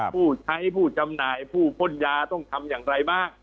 ผู้ใช้ผู้จำหน่ายผู้พ่นยาต้องทำอย่างไรบ้าง